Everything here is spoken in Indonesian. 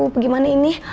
aduh gimana ini